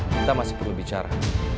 kita masih perlu bicara